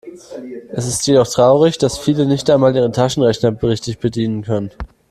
Es ist jedoch traurig, dass viele nicht einmal ihren Taschenrechner richtig bedienen können.